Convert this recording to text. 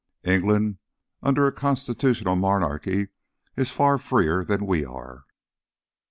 England under a constitutional monarchy is far freer than we are."